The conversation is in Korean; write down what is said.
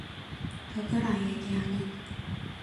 누구랑 얘기하니?